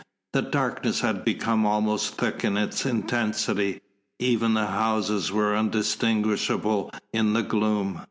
The darkness had become almost thick in its intensity, even the houses were undistinguishable in the gloom.